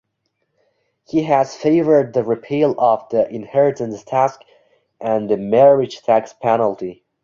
He has favored the repeal of the inheritance tax and the "marriage tax penalty".